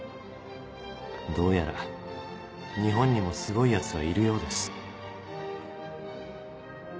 どうやら日本にもすごいヤツはいるようです］